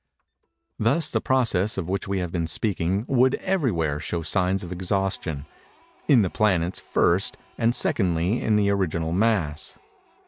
Thus the processes of which we have been speaking would everywhere show signs of exhaustion—in the planets, first, and secondly, in the original mass.